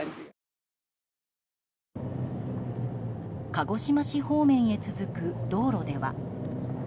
鹿児島市方面へ続く道路では。